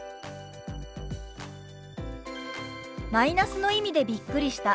「マイナスの意味でびっくりした」。